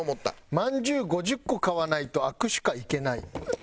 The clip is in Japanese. まんじゅう５０個買わないと握手会いけない。